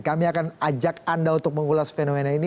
kami akan ajak anda untuk mengulas fenomena ini